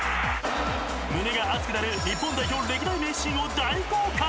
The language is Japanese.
［胸が熱くなる日本代表歴代名シーンを大公開］